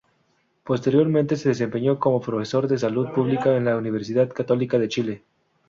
Posteriormente se desempeñó como profesor de Salud Pública en la Universidad Católica de Chile.